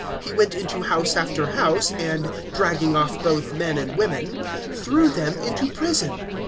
He went into house after house, and, dragging off both men and women, threw them into prison.